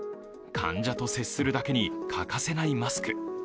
患者と接するだけに欠かせないマスク。